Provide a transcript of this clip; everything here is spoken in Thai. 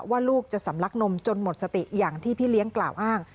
ลูกจะสำลักนมจนหมดสติอย่างที่พี่เลี้ยงกล่าวอ้าง